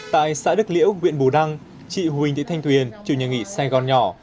tại xã đức liễu huyện bùa đăng chị huỳnh thị thanh thuyền chủ nhà nghị sài gòn nhỏ